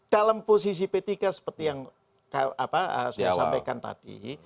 dalam posisi p tiga seperti yang saya sampaikan tadi